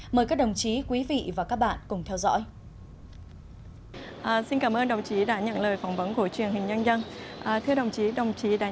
mời các đồng chí quý vị và các bạn cùng theo dõi